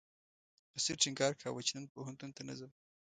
بصیر ټینګار کاوه چې نن پوهنتون ته نه ځم.